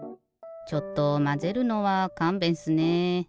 ちょっとまぜるのはかんべんっすね。